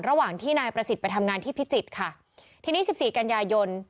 ระหว่างที่นายประสิทธิ์ไปทำงานที่พิจิตรค่ะทีนี้สิบสี่กันยายน